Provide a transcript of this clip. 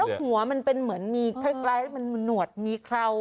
แล้วหัวมันเป็นเหมือนมีคล้ายมันหนวดมีเครา